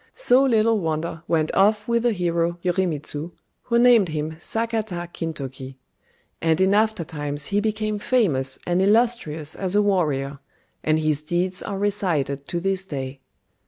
So "Little Wonder" went off with the hero Yorimitsu, who named him Sakata Kintoki; and in aftertimes he became famous and illustrious as a warrior, and his deeds are recited to this day.